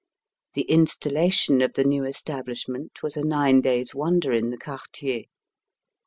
The installation of the new establishment was a nine days' wonder in the quartier.